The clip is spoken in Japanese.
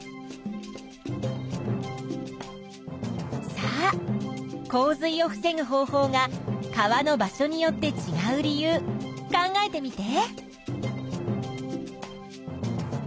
さあ洪水を防ぐ方法が川の場所によってちがう理由考えてみて。